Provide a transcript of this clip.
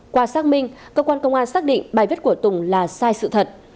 qua xác minh cơ quan công an xác định bài viết của tùng là sai sự thật